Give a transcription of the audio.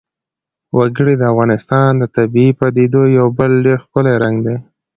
وګړي د افغانستان د طبیعي پدیدو یو بل ډېر ښکلی رنګ دی.